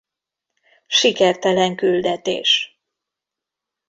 Sikertelen küldetés.